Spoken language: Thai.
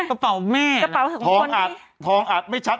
กระเป๋าแม่ท้องอัดไม่ชัด